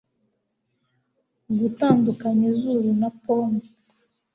Gutandukanya izuru na pome